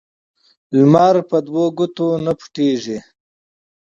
لمر په دوو ګوتو نه پوټیږی.